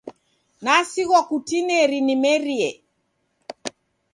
Nasighwa kutineri nimerie